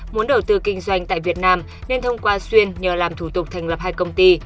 muốn đầu tư kinh doanh tại việt nam nên thông qua xuyên nhờ làm thủ tục thành lập hai công ty